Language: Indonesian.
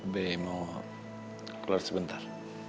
be mau keluar sebentar